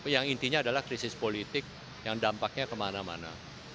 yang intinya adalah krisis politik yang dampaknya kemana mana